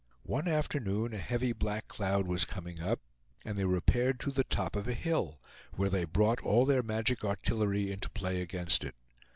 One afternoon a heavy black cloud was coming up, and they repaired to the top of a hill, where they brought all their magic artillery into play against it.